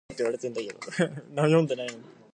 He was a resident of Baltimore until his death there.